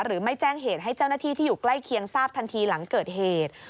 หรือไม่แจ้งเหตุให้เจ้าหน้าที่ที่อยู่ใกล้เคียงทราบทันทีหลังเกิดเหตุ